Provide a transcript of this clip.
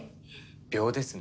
秒ですね。